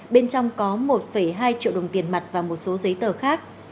bên trong có một hai triệu đồng tiền mặt và một số giấy tờ khác